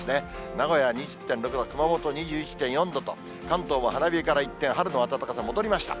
名古屋２０．６度、熊本２１．４度と、関東も花冷えから一転、春の暖かさ、戻りました。